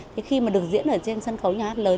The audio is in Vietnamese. thì khi mà được diễn ở trên sân khấu nhà hát lớn